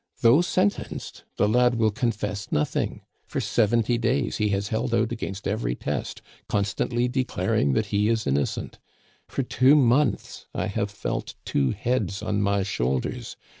Though sentenced, the lad will confess nothing! For seventy days he has held out against every test, constantly declaring that he is innocent. For two months I have felt two heads on my shoulders!